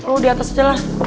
lu di atas aja lah